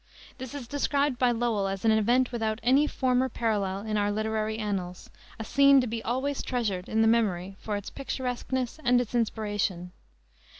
This is described by Lowell as "an event without any former parallel in our literary annals, a scene to be always treasured in the memory for its picturesqueness and its inspiration.